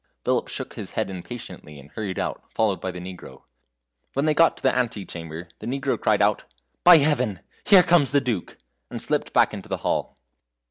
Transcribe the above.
Philip shook his head impatiently and hurried out, followed by the Negro. When they got to the ante chamber, the Negro cried out, "By Heaven, here comes the Duke!" and slipped back into the hall.